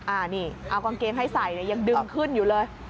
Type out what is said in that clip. อันนี้เอากางเกงให้ใส่เนี่ยยังดึงขึ้นอยู่เลย